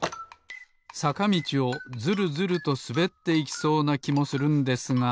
さかみちをズルズルとすべっていきそうなきもするんですが。